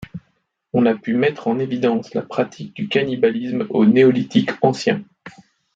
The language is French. On a pu mettre en évidence la pratique du cannibalisme au néolithique ancien.